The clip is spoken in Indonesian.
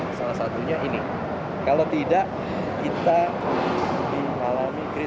kalau saya berada di kampung tinggi